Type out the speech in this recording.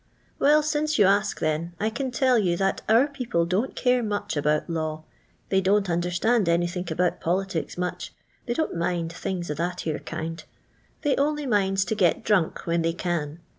"Well, since you ask then, I can toll you thai our people doo't care much about hiw; they don't understand anythink about politics much ; they don't mind things o' that ere kiud. They only Bioda to get drunk when they can.